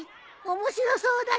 面白そうだじょ！